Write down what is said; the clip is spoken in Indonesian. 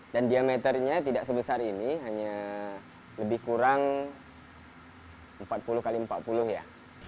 dan diameternya tidak sebesar ini hanya lebih kurang empat puluh x empat puluh ya